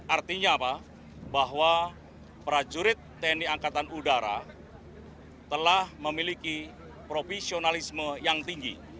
artinya apa bahwa prajurit tni angkatan udara telah memiliki profesionalisme yang tinggi